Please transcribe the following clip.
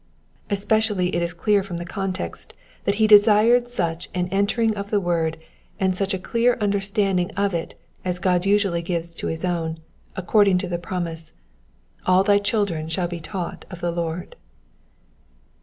*' Especially is it clear from the context that he desired such an enter ing in of the word, and such a clear understanding of it as God usually gives to his own, according to the promise, '* All thy children shall be taught of the Lord."